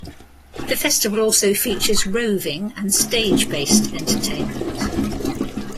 The festival also features roving and stage-based entertainment.